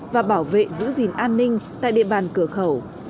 và bảo vệ giữ gìn an ninh tại địa bàn cửa khẩu